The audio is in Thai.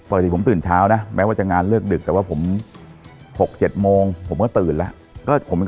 ปกติผมตื่นเช้านะแม้ว่าจะงานเลิกดึกแต่ว่าผม๖๗โมงผมก็ตื่นแล้ว